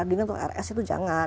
dini untuk rs itu jangan